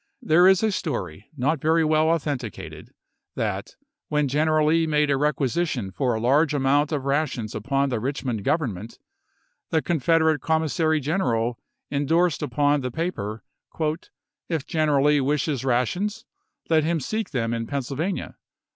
There is a story, not very well authenticated, that, when Gen eral Lee made a requisition for a large amount of rations upon the Richmond Government, the Con federate Commissary General indorsed upon the J,.?Ijife ofe' paper, " If General Lee wishes rations let him seek l<S^p! 272. them in Pennsylvania."